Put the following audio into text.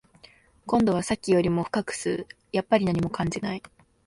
今度はさっきよりも深く吸う、やっぱり何も感じない